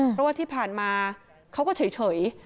เพราะว่าที่ผ่านมาเขาก็เฉย